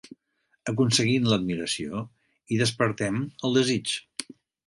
Aconseguim l'admiració i despertem el desig.